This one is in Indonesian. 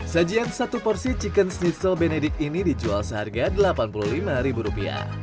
sajian satu porsi chicken sneasel benedik ini dijual seharga rp delapan puluh lima